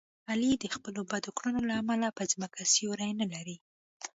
علي د خپلو بدو کړنو له امله په ځمکه سیوری نه لري.